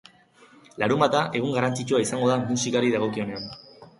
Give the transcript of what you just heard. Larunbata egun garrantzitsua izango da musikari dagokionean.